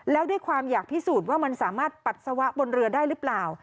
แล้วด้วยความอยากพิสูจน์ว่ามันสามารถปัสสาวะบนเรือได้หรือเปล่า